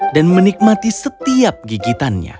dan menikmati setiap gigitannya